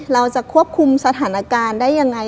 เราจะควบคุมสถานการณ์ได้ยังไง